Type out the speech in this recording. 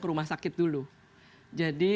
ke rumah sakit dulu jadi